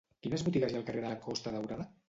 Quines botigues hi ha al carrer de la Costa Daurada?